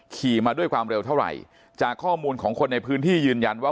ขี่มาด้วยความเร็วเท่าไหร่จากข้อมูลของคนในพื้นที่ยืนยันว่า